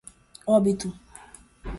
óbito